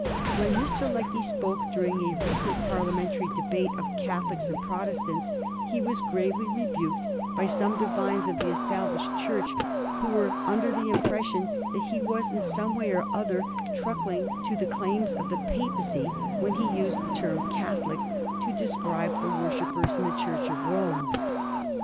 When Mr. Lecky spoke during a recent Parliamentary debate of Catholics and Protestants, he was gravely rebuked by some divines of the Established Church who were under the impression that he was in some way or other truckling to the claims of the Papacy when he used the word "Catholic" to describe the worshippers in the Church of Rome.